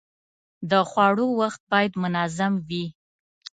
د خوړو وخت باید منظم وي.